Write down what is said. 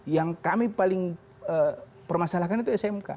yang kami paling permasalahkan itu smk